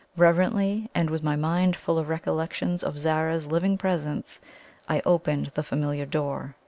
Reverently, and with my mind full of recollections of Zara's living presence, I opened the familiar door.